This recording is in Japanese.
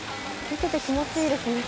見てて気持ちいいですね」